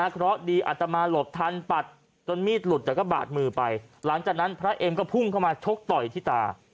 เพราะดีอัตมาหลบทันปัดจนมีดหลุดแต่ก็บาดมือไปหลังจากนั้นพระเอ็มก็พุ่งเข้ามาชกต่อยที่ตา